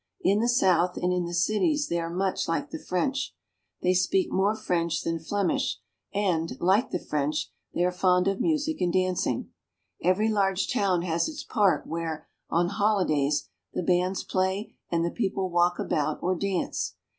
In the south and in the cities they are much like the French. They speak more French than Flemish, and, like the French, they are fond of music and dancing. Every large town has its park where, on holidays, the bands play, and the people walk about or dance.